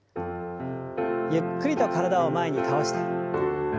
ゆっくりと体を前に倒して。